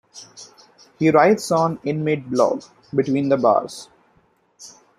He writes on inmate blog "Between the Bars".